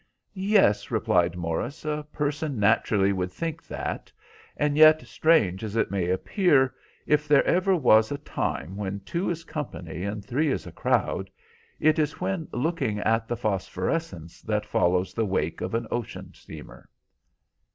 "Yes," replied Morris. "A person naturally would think that, and yet, strange as it may appear, if there ever was a time when two is company and three is a crowd, it is when looking at the phosphorescence that follows the wake of an ocean steamer."